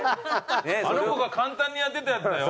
あの子が簡単にやってたやつだよ。